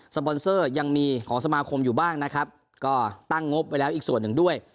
ปอนเซอร์ยังมีของสมาคมอยู่บ้างนะครับก็ตั้งงบไว้แล้วอีกส่วนหนึ่งด้วย